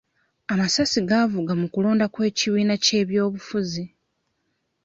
Amasasi gaavuga mu kulonda kw'ekibiina ky'ebyobufuzi.